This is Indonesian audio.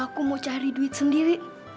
aku mau cari duit sendiri